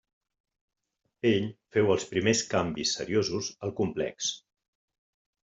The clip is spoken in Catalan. Ell féu els primers canvis seriosos al complex.